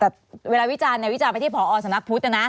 แต่เวลาวิจารณ์วิจารณ์ไปที่ผอสำนักพุทธนะนะ